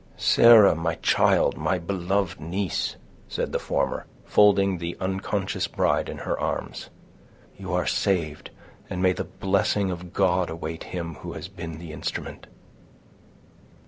"Sarah, my child, my beloved niece," said the former, folding the unconscious bride in her arms, "you are saved, and may the blessing of God await him who has been the instrument."